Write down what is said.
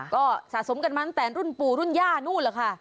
ก็สะสมกันมาตั้งแต่รุ่นปู่รุ่นย่านู่นแหละค่ะ